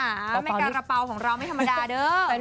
แม่การะเป๋าของเราไม่ธรรมดาเด้อ